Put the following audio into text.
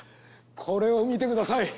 これを見てください